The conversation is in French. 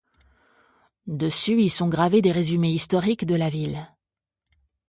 Dessus y sont gravés des résumés historiques de la ville.